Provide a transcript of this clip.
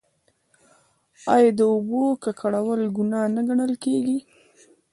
آیا د اوبو ککړول ګناه نه ګڼل کیږي؟